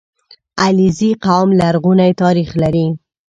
• علیزي قوم لرغونی تاریخ لري.